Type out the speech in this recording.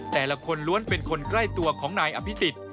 แต่ละคนล้วนเป็นคนใกล้ตัวของนายอภิษฎ